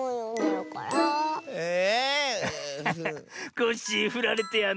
コッシーふられてやんの。